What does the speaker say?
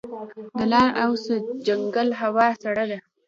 د لعل او سرجنګل هوا سړه ده